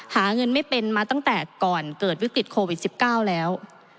หาเงินไม่เป็นมาตั้งแต่ก่อนเกิดวิกฤตโควิด๑๙แล้ว